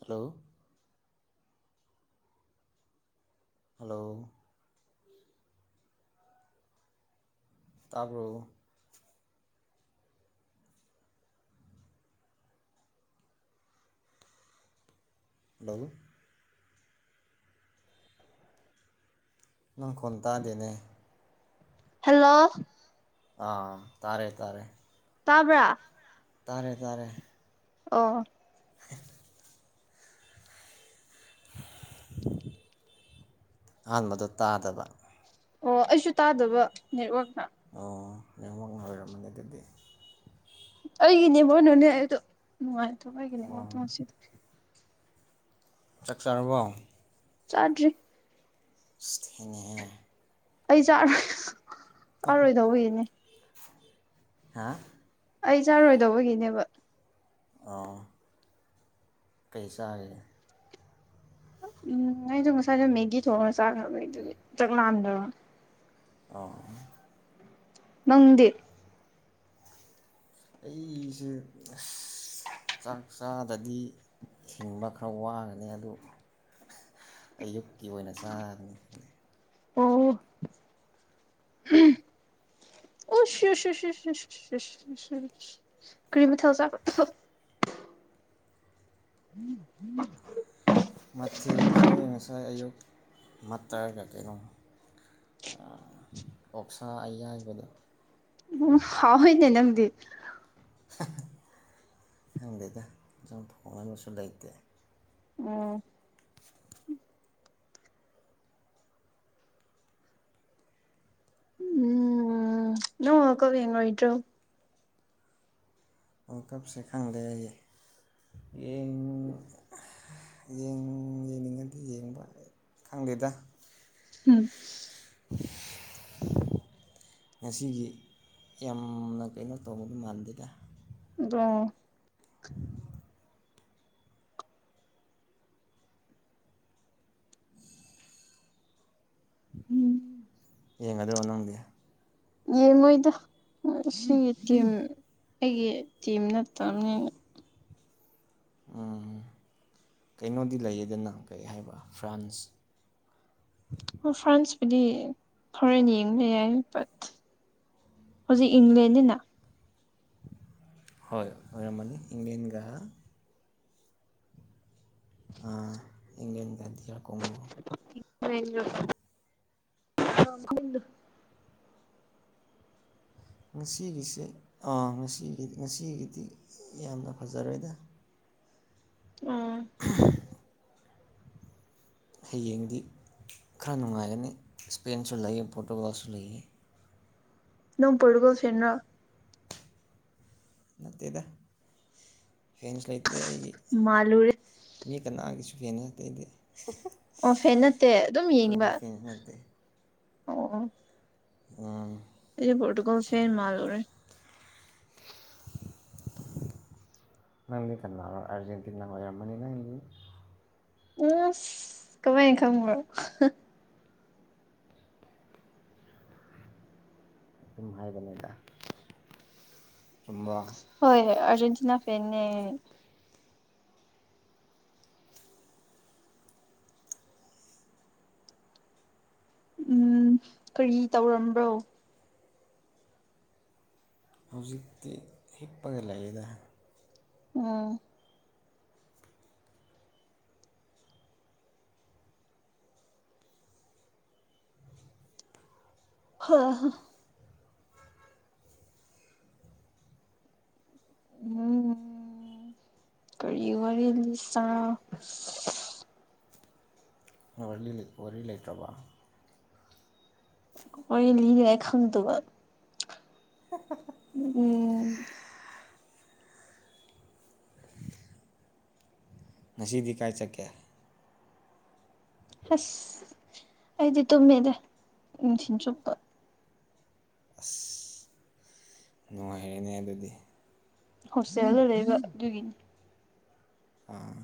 Hello hello ꯇꯥꯕꯣ hello ꯅꯪ ꯀꯣꯟ ꯇꯥꯗꯦꯅꯦ ꯍꯦꯜꯂꯣ ꯑꯥ ꯇꯥꯔꯦ ꯇꯥꯔꯦ ꯇꯥꯕ꯭ꯔꯥ ꯇꯥꯔꯦ ꯇꯥꯔꯦ ꯑꯣ ꯍꯥꯏ ꯑꯍꯥꯟꯕꯗ ꯇꯥꯗꯕ ꯑꯣ ꯑꯩꯁꯨ ꯇꯥꯗꯕ ꯅꯦꯠꯋꯥꯛꯅ ꯑꯣ ꯅꯦꯝꯃꯛꯅ ꯑꯣꯏꯣꯏꯔꯝꯃꯅꯤꯦ ꯑꯗꯨꯗꯤ ꯑꯩꯒꯤꯅꯦꯕꯣꯅꯅꯦ ꯑꯩꯗꯣ ꯅꯨꯡꯉꯥꯏꯇꯕ ꯑꯩꯒꯤꯅꯦꯕꯣ ꯇꯣ ꯁꯤꯗ ꯆꯥꯛ ꯆꯥꯔꯕꯣ ꯆꯥꯗ꯭ꯔꯤꯛ ꯏꯁ ꯊꯦꯡꯉꯤꯍꯦ ꯑꯩ ꯆꯥꯔꯣꯏ ꯆꯥꯔꯣꯏꯗꯧꯕꯒꯤꯅꯦ ꯍꯥ ꯑꯩ ꯆꯥꯔꯣꯏꯗꯧꯕꯒꯤꯅꯦꯕ ꯑꯣ ꯀꯩ ꯆꯥꯒꯦ ꯎꯝ ꯑꯩꯗꯣ ꯉꯁꯥꯏꯗꯣ ꯃꯦꯒꯤ ꯊꯣꯛꯉꯔ ꯆꯥꯈ꯭ꯔꯕꯩ ꯑꯗꯨꯒꯤ ꯆꯥꯛ ꯂꯥꯝꯗꯕ ꯑꯣ ꯅꯪꯗꯤꯞ ꯑꯩꯁꯦ ꯑꯁ ꯆꯥꯛ ꯆꯥꯗꯗꯤ ꯊꯤꯡꯕ ꯈꯔ ꯋꯥꯒꯅꯤ ꯑꯗꯨ ꯑꯌꯨꯛꯀꯤ ꯑꯣꯏꯅ ꯆꯥꯕꯅꯤ ꯑꯣ ꯑꯣꯁ [unintelligible] ꯀ꯭ꯔꯤ ꯃꯊꯦꯜ ꯆꯥꯐ꯭ꯔ [unintelligible] ꯃꯊꯦꯜꯁꯦ ꯉꯁꯥꯏ ꯑꯌꯨꯛ ꯃꯇ꯭ꯔꯒ ꯀꯩꯅꯣ ꯑꯣꯛꯁꯥ ꯑꯌꯥꯏꯕꯗꯣ ꯎꯝ ꯍꯥꯎꯋꯤꯅꯦ ꯅꯪꯗꯤ ꯈꯪꯗꯦꯗ ꯏꯟꯖꯥꯡ ꯊꯣꯡꯅꯕꯁꯨ ꯂꯩꯇꯦ ꯑꯣ ꯎꯝ ꯅꯪ ꯋꯥꯜ ꯀꯞ ꯌꯦꯡꯔꯣꯏꯗ꯭ꯔꯣ ꯋꯥꯜ ꯀꯞꯁꯦ ꯈꯪꯗꯦ ꯑꯩꯗꯤ ꯌꯦꯡ ꯌꯦꯡꯅꯤꯡ ꯌꯦꯡꯅꯤꯡꯉꯗꯤ ꯌꯦꯡꯕ ꯈꯪꯗꯦꯗ ꯍꯨꯝ [unintelligible] ꯉꯁꯤꯒꯤ ꯌꯥꯝꯅ ꯀꯩꯅꯣ ꯇꯧꯕꯗꯤ ꯃꯥꯟꯗꯦꯗ ꯑꯗꯣꯡ ꯑ [inaudible] ꯎꯝ ꯌꯦꯡꯒꯗ꯭ꯔꯣ ꯅꯪꯗꯤ ꯌꯦꯡꯉꯣꯏꯗ ꯉꯁꯤꯒꯤ ꯇꯤꯝ ꯑꯩꯒꯤ ꯇꯤꯝ ꯅꯠꯇꯕꯅꯤꯅ ꯎꯝ ꯀꯩꯅꯣꯗꯤ ꯂꯩꯌꯦꯗꯅꯥ ꯀꯩ ꯍꯥꯏꯕ ꯐ꯭ꯔꯥꯟꯁ ꯑꫭ ꯐ꯭ꯔꯥꯟꯁꯄꯨꯗꯤ ꯈꯔꯟ ꯌꯦꯡꯕꯗꯤ ꯌꯥꯏ ꯕꯠ ꯍꯧꯖꯤꯛ ꯏꯪꯂꯦꯟꯅꯤꯅꯥ ꯍꫭꯏ ꯑꫭꯏꯔꯝꯃꯅꯤ ꯏꯪꯂ°ꯟꯒꯥ ꯑꯥ ꯏꯪꯂ°ꯟꯒꯥ ꯗꯤꯌꯥꯀꯣꯡꯒꯣ [unintelligible] [inaudible] ꯉꯁꯤꯒꯤꯁꯦ ꯑꯥ ꯉꯁꯤꯒꯤ ꯉꯁꯤꯒꯤꯗꯤ ꯌꯥꯝꯅ ꯐꯖꯔꯣꯏꯗꯥ ꯑꫭ [unintelligible] ꯍꯌꯦꯡꯗꯤ ꯈꯔ ꯅꯨꯡꯉꯥꯏꯒꯅꯤ ꯏꯁꯄꯦꯟꯁꯨ ꯂꯩꯌꯦ ꯄꯣꯔꯇꯨꯒꯜꯁꯨ ꯂꯩꯌꯦ ꯅꯣꯡ ꯄꯣꯔꯇꯨꯒꯜ ꯐ°ꯟꯔꯥ ꯅꯠꯇꯦꯗꯥ ꯐꯦꯟꯁ ꯂꯩꯇꯦ ꯑꯩꯒꯤ ꯃꯥꯜꯂꯨꯔꯦ ꯃꯤ ꯀꯅꯥꯒꯤꯁꯨ ꯐ°ꯟ ꯅꯠꯇ° ꯑꯩꯗꯤ ꯑꯣ ꯐꯦꯟ ꯅꯠꯇꯦ ꯑꯗꯨꯝ ꯑꯩꯈꯣꯏꯗꯤ ꯌꯦꯡꯏꯕ ꯐꯦꯟꯁ ꯅꯠꯇꯦ ꯑꯣ ꯑꯣ ꯎꯝ ꯑꯩꯗꯤ ꯄꯣꯔꯇꯨꯒꯜ ꯐꯦꯟ ꯃꯥꯜꯂꯨꯔꯦ ꯅꯪꯂꯤ ꯀꯅꯥꯔꯥ ꯑꯔꯖꯦꯟꯇꯤꯟꯅ ꯑꯣꯏꯔꯝꯃꯅꯤ ꯅꯪꯗꯤ ꯑꯁ ꯀꯃꯥꯏꯅ ꯈꯪꯕ꯭ꯔꯥ ꯁꯨꯝ ꯍꯥꯏꯕꯅꯤꯗ ꯆꯨꯝꯕꯔꫭ ꯍꯣꯏ ꯑꯔꯖꯦꯟꯇꯤꯅꯥ ꯐꯦꯟꯅ‌ꯦ ꯎꯝꯝ ꯀꯔꯤ ꯇꯧꯔꯝꯕ꯭ꯔꯣ? ꯍꯧꯖꯤꯛꯇꯤ ꯍꯤꯞꯄꯒꯥ ꯂꯩꯥꯛꯌꯦꯗꯥ꯫ ꯑꫭ.... ꯍꯥ ꯍꯝ ꯎꯝꯝ ꯀꯔꯤ ꯋꯥꯔꯤ ꯂꯤꯁꯥ ꯋꯥꯔꯤ ꯂꯩ ꯋꯥꯔꯤ ꯂꯩꯇ꯭ꯔꯕꫭ꯫ ꯋꯥꯔꯤ ꯔꯤꯅꯤꯉꯥꯏ ꯈꯪꯗꯕꯥ ꯎꯝ ꯎꯝꯝ ꯉꯁꯤꯗꯤ ꯀꯥꯏꯗ ꯆꯠꯀꯦ? ꯍꯠꯁ ꯑꯩꯗꯤ ꯇꯨꯝꯃꯦꯗꯥ ꯅꯨꯡꯊꯤꯟ ꯆꯨꯞꯄ ꯐꯩꯅ° ꯑꯗꯨꯗꯤ ꯍꯣꯁꯇꯦꯜꯗꯥ ꯂꯩꯕ ꯑꯗꯨꯒꯤꯅꯤ ꯑꯥꯑ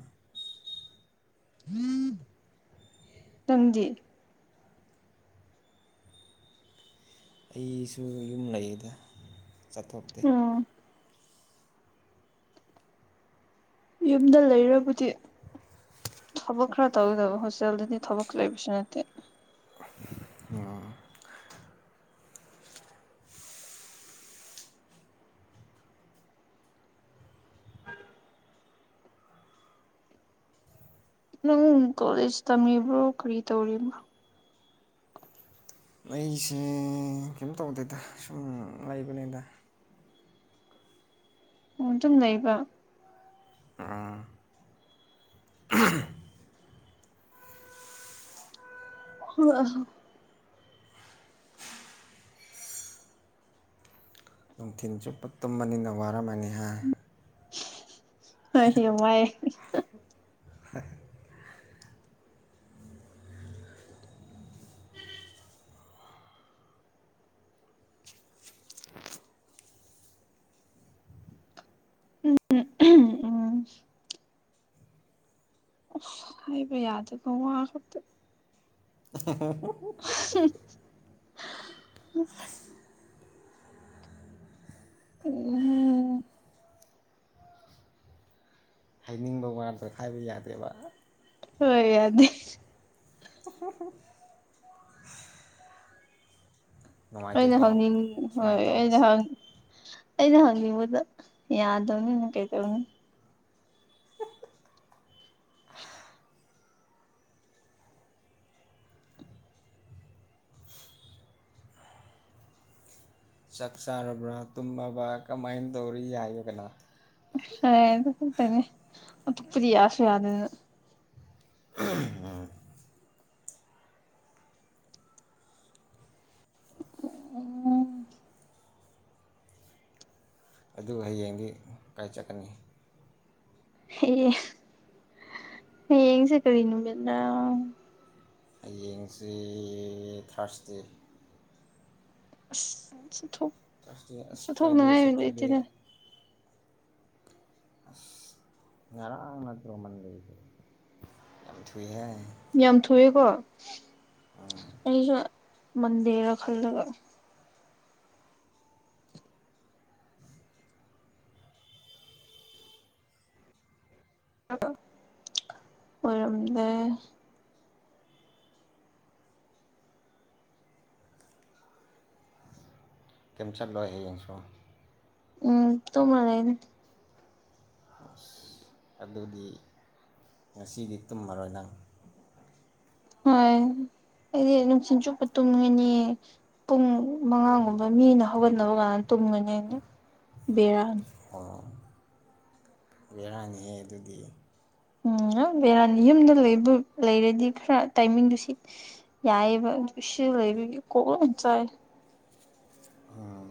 ꯇꯪꯗꯤ ꯑꯩꯁꯨ ꯌꯨꯝ ꯂꯩꯌꯗꯥ ꯆꯠꯊꯣꯛꯇꯦ꯫ ꯎꯝ ꯌꯨꯝꯗꯥ ꯂꯩꯔꯕꯨꯗꯤ ꯊꯕꯛ ꯈ꯭ꯔꯥ ꯇꯧꯒꯗꯧꯕꯥ ꯍꯣꯁꯇ‌ꯦꯜꯗꯗꯤ ꯊꯕꯛ ꯁꯨ ꯂꯩꯕꯥ ꯅꯠꯇꯦ ꯑꯝ ꯅꯪ ꯀꯣꯂꯦꯖ ꯇꯝꯃꯤꯕ꯭ꯔꯣ ꯀꯔꯤ ꯇꯧꯔꯤꯕꯅꫭ? ꯑꯩꯁꯦ ꯀꯩꯝ ꯇꯧꯗꯦꯗꯥ ꯁꯨꯝꯝ ꯂꯩꯕꯅꯤꯗꯥ꯫ ꯑꫭ ꯑꯗꯨꯝ ꯂꯩꯕꯥ ꯑꯝꯝ ꯍꯥ [inaudible] ꯅꯨꯡꯊꯤꯜ ꯆꯨꯞꯄꯥ ꯇꯨꯝꯕꯅꯤꯅꯥ ꯋꯥꯔꯝꯃꯅꯤ ꯍꯥ ꯍꫭꯏ ꯋꯥꯌ° ꯎꯝ ꯍꯥꯏꯕ ꯌꯥꯗꯕꯥ ꯋꯥꯃꯛꯇꯥ [unintelligible] [inaudible] ꯎꯝꯝ ꯍꯝꯝ ꯑꯃꯥ ꯋꯥꯃꯇꯡ ꯍꯥꯏꯕ ꯌꯥꯗꯦꯕꯥ ꯑ ꯍꯣꯏ ꯌꯥꯗꯦ [inaudible] ꯑꯩꯅ ꯅꯨꯡꯉꯥꯏꯇꯦꯀꯣ ꯍꯪꯅꯤꯡ ꯍꯣꯏ ꯁꯨꯃꯥꯏꯅ ꯑꯩꯅ ꯇꯧꯕꯁꯦ ꯍꯪꯅꯤꯡ ꯑꯩꯅ ꯍꯪꯅꯤꯡꯕꯗ ꯌꯥꯗꯕꯅꯤꯅ ꯀꯩꯗꯧꯅꯤ ꯆꯥꯛ ꯆꯥꯔꯕ꯭ꯔꯥ ꯇꯨꯝꯃꯕ ꯀꯃꯥꯏꯅ ꯇꯧꯔꯤ ꯌꯥꯏꯕ ꯀꯩꯅ‌ꫭ ꯁꯥꯏ ꯑꯗꯨ ꯈꯛꯇꯅꯤ ꯑꯗꯨ ꯀꯔꯤ ꯌꯥꯁꯨ ꯌꯥꯗꯅ ꯎꯝ ꯎꯝ ꯑꯗꯨꯒ ꯍꯌꯦꯡꯗꯤ ꯀꯀꯥꯏ ꯆꯠꯀꯅꯤ ꯍ‌ꯦ ꯍꯌꯦꯡꯁꯦ ꯀꯔꯤ ꯅꯨꯃꯤꯠ꯭ꯔꯥ [unintelligible] ꯍꯌꯦꯡꯁꯤ ꯊꯔꯁ ꯗꯦ ꯑꯁ ꯆꯊꯣꯛ ꯊꯥꯔꯁꯗꯦ ꯑꯁ ꯐ꯭ꯔꯥꯏꯗꯦ ꯆꯠꯊꯣꯛꯅꯤꯡꯉꯥꯏ ꯁꯦꯇꯔꯗꯦ ꯂꯩꯇꯦꯅ‌ꯦ ꯉꯔꯥꯡ ꯅꯠꯇ꯭ꯔꯣ ꯃꯟꯗ‌ꯦꯁ‌ꯦ ꯌꯥꯝ ꯊꯨꯏꯍ‌ꯦ ꯌꯥꯝ ꯊꯣꯛꯑꯦꯀꯣ ꯑꯩꯁꯨ ꯃꯟꯗꯦꯔ ꯈꯜꯂꯒ ꯑꯣꯏꯔꯝꯗ‌ꯦ ꯀꯩꯝ ꯆꯠꯂꯣꯏ ꯍꯌꯦꯡꯁꯨ ꯎꯝ ꯇꯣ [unintelligible] ꯂꯩꯅꯤ ꯑꯁ ꯑꯗꯨꯗꯤ ꯉꯁꯤꯗꯤ ꯇꯨꯝꯃꯔꯣꯏ ꯅꯪ꯫ ꯍꯣꯏ ꯑꯩꯗꯤ ꯅꯨꯡꯁꯤꯡꯆꯨꯞꯄ ꯇꯨꯝꯒꯅꯤ꯫ ꯄꯨꯡ ꯃꯉꯥꯒꯨꯝꯕ ꯃꯤꯅ ꯍꯧꯒꯠꯅꯕ ꯀꯥꯟꯗ ꯇꯨꯝꯒꯅꯤ ꯑꯅ ꯕꯦꯔꯥꯅꯤ꯫ ꯑꯣ ꯕꯦꯔꯥꯅꯤꯍꯦ ꯑꯗꯨꯗꯤ꯫ ꯎꯝ ꯌꯝ ꯕꯦꯔꯥꯅꯤ ꯌꯨꯝꯗ ꯂꯩꯕꯨ ꯂꯩꯔꯗꯤ ꯈꯔ ꯇꯥꯏꯃꯤꯡꯗꯨ ꯁꯤꯠ ꯌꯥꯏꯕ ꯑꯗꯨꯁꯨ ꯂꯩꯕꯤꯒꯤ ꯀꯣꯛꯣꯟ ꯆꯥꯏ꯫ ꯑꯥ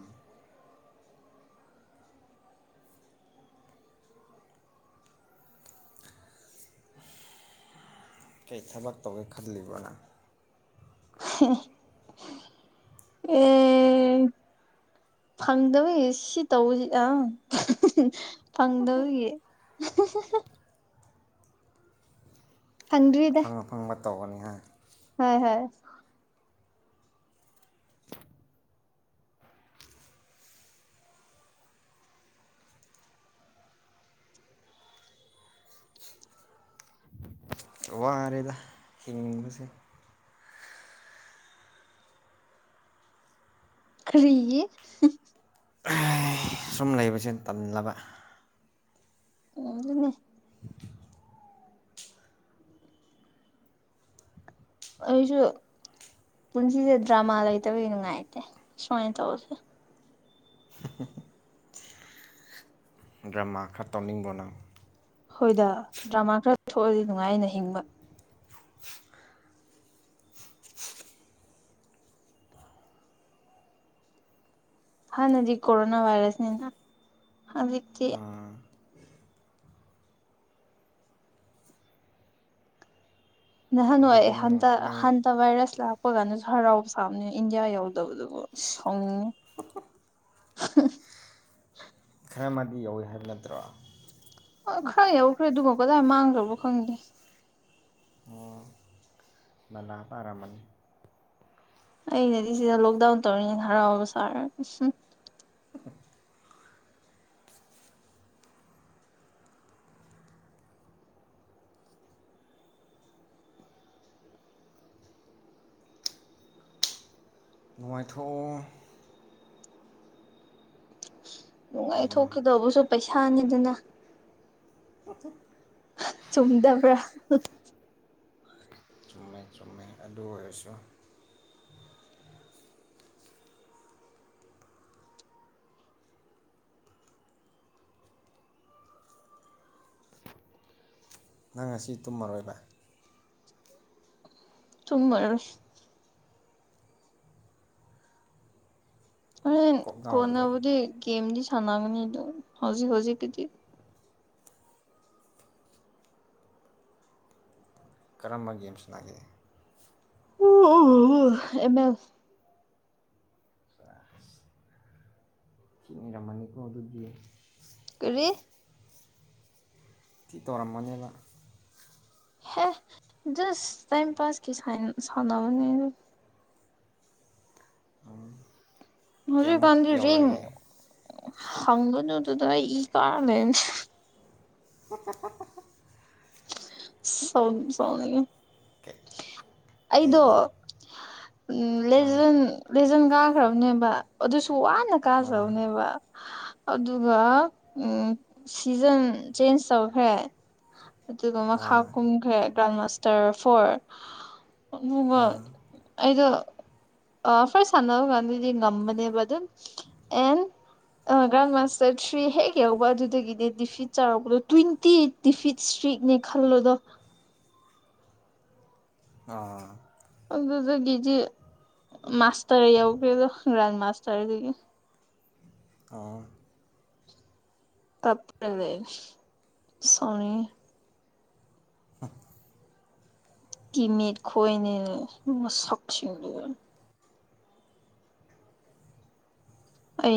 ꯀꯩ ꯊꯕꯛ ꯇꯧꯒꯦ ꯈꯜꯂꯤꯕꯣꯅ ꯑꯦ ꯐꯪꯗꯕꯒꯤ ꯁꯤ ꯇꯧꯕꯁꯤ ꯑꯪ ꯐꯪꯗꯕꯒꯤ꯫ [inaudible] [unintelligible] ꯐꯪꯗꯔꯤꯗ꯫ ꯐꯪꯕ ꯇꯧꯒꯅꯤ ꯍꯥꯏ ꯍꯣꯏ ꯍꯣꯏ꯫ ꯋꯔꯦꯗ ꯍꯤꯡꯕꯁꯦ꯫ ꯈꯔꯤꯒꯤ ꯍꯝ ꯂꯩꯕꯕꯁꯤꯅ ꯇꯝꯂꯅꯕ ꯎꯝ ꯑꯗꯨꯅꯦ ꯑꯩꯁꯨ ꯄꯨꯟꯁꯤꯁꯦ ꯗ꯭ꯔꯃꯥ ꯂꯩꯇꯕꯒꯤ ꯅꯨꯡꯉꯥꯏꯇꯦ ꯁꯨꯃꯥꯏꯅ ꯇꯧꯁꯦ꯫ [unintelligible] ꯗ꯭ꯔꯃꯥ ꯈꯔ ꯇꯧꯅꯤꯡꯕꯅꯪ꯫ ꯍꯣꯏꯗ ꯗ꯭ꯔꯃꯥ ꯈꯔ ꯊꯣꯛꯑꯗꯤ ꯅꯨꯡꯉꯥꯏꯅ ꯍꯤꯡꯕ꯫ ꯍꯥꯟꯅꯗꯤ ꯀꯣꯔꯣꯅꯥ ꯋꯥꯏꯔꯁꯅꯤꯅ ꯍꯧꯖꯤꯛꯇꯤ ꯅꯍꯥꯟꯋꯥ ꯑꯗꯨꯗꯤ ꯍꯟ ꯅꯪ ꯅꯪ ꯍꯟꯇ ꯚꯥꯏꯔꯁ ꯂꯥꯛꯄ ꯀꯥꯟꯗꯁꯨ ꯍꯔꯥꯎꯕ ꯁꯥꯕꯅꯦ ꯏꯟꯗꯤꯌꯥ ꯌꯥꯎꯗꯕꯗꯨꯕꯨ꯫ ꯁꯥꯎꯅꯤꯡꯏ ꯍꯥꯥ ꯍꯥ ꯈꯔ ꯃꯥꯗꯤ ꯌꯧꯋꯤ ꯍꯥꯏꯕ ꯅꯠꯇ꯭ꯔꯣ꯫ ꯈꯔ ꯌꯧꯈ꯭ꯔꯦ ꯑꯗꯨꯒ ꯀꯗꯥꯏ ꯃꯥꯡꯈ꯭ꯔꯕꯣ ꯈꯪꯗꯦ꯫ ꯂꯥꯟꯅ ꯇꯔꯥꯝꯃꯅꯤ꯫ ꯑꯩꯅꯗꯤ ꯁꯤꯗ ꯂꯣꯛꯗꯥꯎꯟ ꯇꯧꯔꯤꯅꯤꯅ ꯍꯔꯥꯎꯕ ꯁꯥꯔ ꯎꯝ ꯅꯨꯡꯥꯏꯊꯣꯛꯎ꯫ ꯀꯩꯅꯣ ꯅꯨꯡꯉꯥꯏꯊꯣꯛꯈꯤꯗꯧꯕꯁꯨ ꯄꯩꯁꯥꯅꯤꯗꯅ꯫ [unintelligible] ꯆꯨꯝꯗꯕ꯭ꯔꯥ ꯆꯨꯝꯃꯦ ꯆꯨꯝꯃꯦ ꯑꯗꯨ ꯑꯣꯏꯔꯁꯨ ꯅꯪ ꯉꯥꯁꯤ ꯇꯨꯝꯃꯥꯔꯣꯏꯕ꯫ ꯇꯨꯝꯃꯥꯔꯣꯏ꯫ ꯍꯣꯔꯦꯟ ꯀꯣꯛ ꯉꯥꯎꯗ꯭ꯔꯣ ꯀꯣꯟꯅꯕꯨꯗꯤ ꯒꯦꯝꯗꯤ ꯁꯥꯟꯅꯒꯅꯤꯗꯥ ꯍꯧꯖꯤꯛ ꯍꯧꯖꯤꯛꯀꯤꯗꯤ꯫ ꯀꯔꯝꯕ ꯒꯦꯝ ꯁꯟꯅꯒꯦ꯫ M L. [unintelligible] ꯊꯤ ꯅꯩꯔꯝꯃꯥꯅꯤꯀꯣ ꯑꯗꯨꯗꯤ ꯀꯔꯤ ꯊꯤ ꯇꯧꯔꯝꯃꯥꯅꯦꯕ꯫ ꯍꯦ ꯖꯁ ꯇꯥꯏꯝ ꯄꯥꯁ ꯀꯤ ꯁꯥꯅꯕꯅꯤꯍꯦ꯫ [unintelligible] ꯀꯌꯥꯃꯨꯛ ꯍꯧꯖꯤꯀꯥꯟꯗꯤ ꯔꯦꯡ ꯌꯧꯔꯒꯦ ꯍꯪꯒꯅꯨꯗꯥ ꯑꯩ ꯏ ꯀꯥꯔꯥ ꯂꯩꯕꯅꯦ꯫ [unintelligible] ꯁꯥꯎꯗꯤ ꯁꯥꯎꯅꯤꯡꯉꯤ ꯀꯩ ꯑꯩꯗꯣ꯫ [inaudible] ꯎꯝ ꯍꯥ ꯂꯦꯖꯟ ꯂꯦꯖꯟ ꯀꯥꯈ꯭ꯔꯕꯅꯦꯕ ꯑꯗꯨꯁꯨ ꯋꯥꯅ ꯍꯥ ꯀꯥꯖꯕꯅꯦꯕ ꯑꯗꯨꯒꯥ ꯁꯤꯖꯟ ꯆꯦꯟꯁ ꯇꯧꯈ꯭ꯔꯦ ꯑꯗꯨꯒꯥ ꯍꯥ ꯃꯈꯥ ꯀꯨꯝꯈ꯭ꯔꯦ ꯒ꯭ꯔꯥꯟ ꯃꯥꯁꯇꯔ ꯐꯣꯔ ꯑꯗꯨꯒꯥ ꯍꯥ ꯑꯩꯗꯣ ꯑꯥ ꯐ꯭ꯥꯔꯁ ꯁꯥꯟꯅꯕ ꯀꯥꯟꯗꯥꯗꯤ ꯉꯝꯕꯅꯦꯕ ꯑꯗꯨꯝ ꯑꯦꯟ ꯑꯥ ꯒ꯭ꯔꯥꯟ ꯃꯥꯁꯇꯔ ꯊ꯭ꯔꯤ ꯍꯦꯛ ꯌꯧꯕ ꯑꯗꯨꯗꯥꯒꯤꯗꯤ ꯗꯤꯐꯤꯠ ꯆꯥꯔꯛꯄꯗꯣ ꯇ꯭ꯋꯦꯟꯇꯤ ꯇꯤꯐꯤꯠ ꯏꯁꯇ꯭ꯔꯤꯠꯅꯦ ꯈꯜꯂꯣꯗꯣ ꯑꯥ ꯑꯗꯨꯗꯥꯒꯤꯗꯤ ꯃꯥꯁꯇꯔ ꯌꯧꯒ꯭ꯔꯦꯗꯣ ꯒꯔꯥꯟ ꯃꯥꯁꯇꯔꯗꯥꯒꯤ ꯑꯥ [unintelligible] ꯁꯥꯎꯅꯤꯡꯉꯤ ꯇꯤꯝꯃꯦꯠ ꯈꯣꯏꯅꯦꯅ ꯃꯁꯛꯁꯤꯡꯗꯨꯒꯥ ꯑꯩ